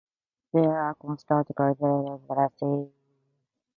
There are constant currents at the sea surface directed from west to east.